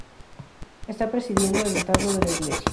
Está presidiendo el retablo de la iglesia.